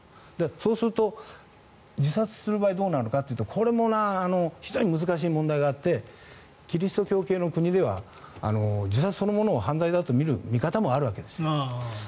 そうすると、自殺する場合どうなるかというとこれも非常に難しい問題があってキリスト教系の国では自殺そのものを犯罪とみる見方もあるわけです。